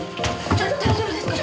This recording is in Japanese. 大丈夫ですか！？